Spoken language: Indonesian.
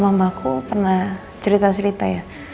mama sama mamaku pernah cerita cerita ya